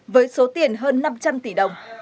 với số tiền hơn năm trăm linh tỷ đồng